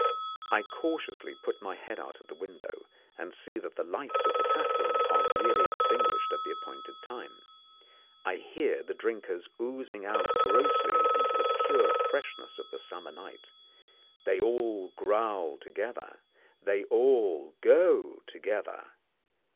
I cautiously put my head out of window, and see that the lights of the tap room are really extinguished at the appointed time. I hear the drinkers oozing out grossly into the pure freshness of the summer night. They all growl together; they all go together.